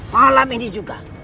malam ini juga